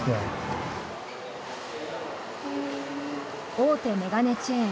大手眼鏡チェーン